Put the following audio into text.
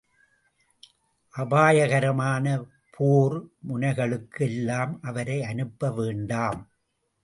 அபாயகரமான போர் முனைகளுக்கு எல்லாம் அவரை அனுப்பவேண்டாம்.